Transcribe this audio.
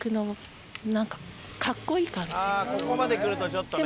ああここまでくるとちょっとね。